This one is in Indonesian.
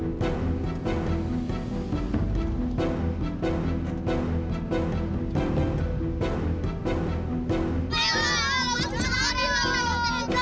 ayo masuk ke arah lho